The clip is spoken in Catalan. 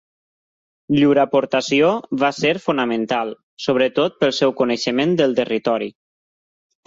Llur aportació va ser fonamental, sobretot pel seu coneixement del territori.